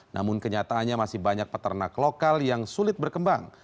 namun kenyataannya masih banyak peternak lokal yang sulit berkembang